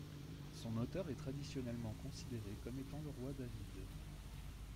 Son auteur est traditionnellement considéré comme étant le roi David.